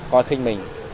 coi khinh mình